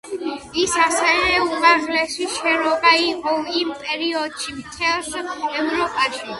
ის ასევე უმაღლესი შენობა იყო იმ პერიოდში მთელს ევროპაში.